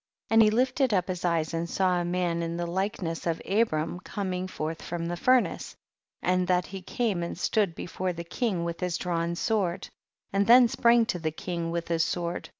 I 46. And he lifted up his eyes and saw a man in the likeness of Abram 1 coming forth from the funiace, and I that he came and stood before the I king with his drawn sword, and then I sprang to the king with his sword